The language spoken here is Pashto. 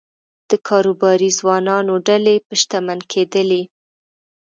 د کاروباري ځوانانو ډلې به شتمن کېدلې